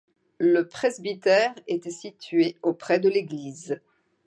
Le presbytère était situé auprès de l'église.